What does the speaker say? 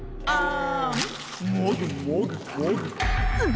ああ。